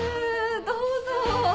どうぞ。